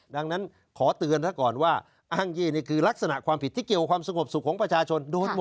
ดังนั้นขอเตือนซะก่อนว่าอ้างเย่นี่คือลักษณะความผิดที่เกี่ยวกับความสงบสุขของประชาชนโดนหมด